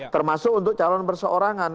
termasuk untuk calon berseorangan